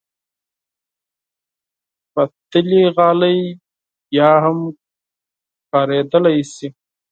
پتېلي غالۍ بیا هم کارېدلی شي.